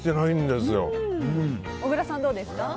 小倉さん、どうですか？